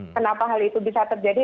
kenapa hal itu bisa terjadi